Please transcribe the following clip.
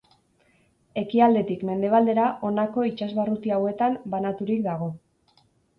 Ekialdetik mendebaldera honako itsas barruti hauetan banaturik dago.